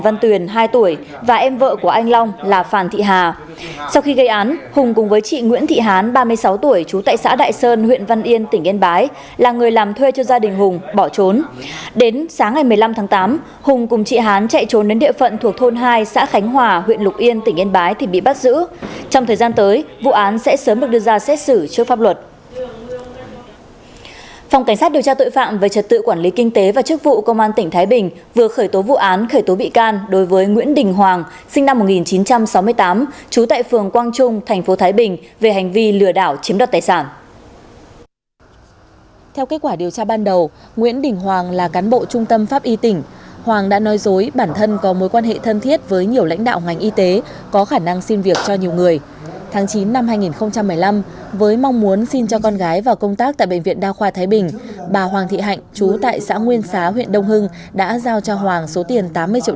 vì vậy đề nghị ai là bị hại của đối tượng trên thì liên hệ với phòng cảnh sát điều tra tội phạm về trật tự quản lý kinh tế và chức vụ công an tỉnh thái bình để phối hợp giải quyết phục vụ cho việc truy tố xét xử